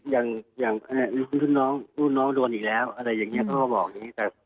ว่าอย่างรุ่นน้องโดนอีกแล้วอะไรอย่างนี้เค้าบอกอย่างนี้